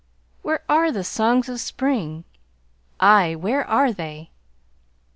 Where are the songs of Spring? Ay, where are they?